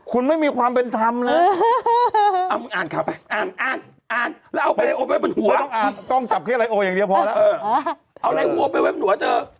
คุณไม่มีความเป็นธรรมเลยเอามึงอ่านข้าวไปอ่านอ่านอ่านแล้วเอาไลโอไปไว้บนหัวต้องอ่านต้องจับแค่ไลโออย่างเดียวพอแล้วเอาไลโอไปไว้บนหัวเถอะ